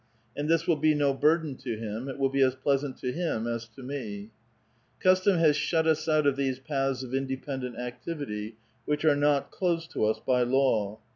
And this will be no burden to him ; it will be as pleasant to him as to me. ^^ Custom has shut us out of these paths of independent ac tivity which are not closed to us by law.